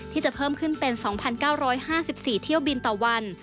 ที่จะเพิ่มขึ้นเป็น๒๙๕๔เที่ยวบินต่อวัน